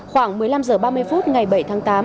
khoảng một mươi năm h ba mươi phút ngày bảy tháng tám